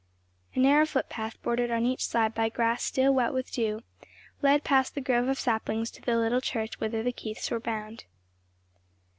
A narrow foot path, bordered on each side by grass still wet with dew, led past the grove of saplings to the little church whither the Keiths were bound.